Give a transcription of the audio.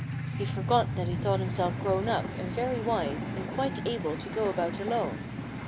He forgot that he thought himself grown up, and very wise, and quite able to go about alone.